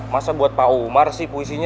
masa buat pau marsi puisinya